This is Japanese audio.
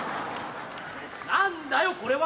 何だよこれは！